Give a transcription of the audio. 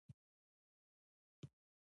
علي تل د دوو ترمنځ اوبه خړوي.